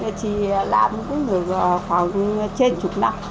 nhà chị làm cũng được khoảng trên chục năm